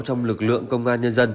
trong lực lượng công an nhân dân